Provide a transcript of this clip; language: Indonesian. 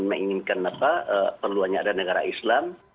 menginginkan perluannya ada negara islam